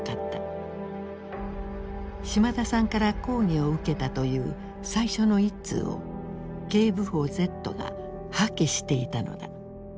島田さんから抗議を受けたという最初の一通を警部補Ｚが破棄していたのだ。